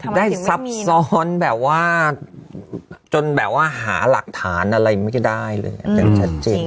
ได้ซับซ้อนแบบว่าจนแบบว่าหาหลักฐานอะไรไม่ได้เลยอย่างชัดเจน